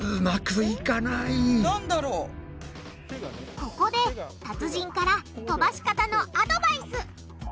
ここで達人から飛ばし方のアドバイス。